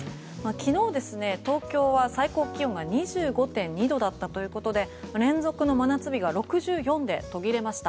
昨日、東京は最高気温が２５．２度だったということで連続の真夏日が６４で途切れました。